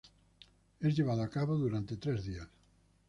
Es llevado a cabo durante tres días.